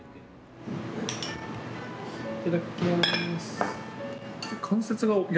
いっただっきます。